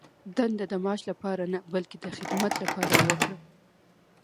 دنده د معاش لپاره نه، بلکې د خدمت لپاره یې وکړه.